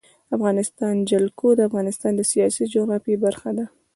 د افغانستان جلکو د افغانستان د سیاسي جغرافیه برخه ده.